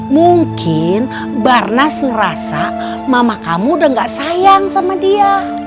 mungkin barnas ngerasa mama kamu udah gak sayang sama dia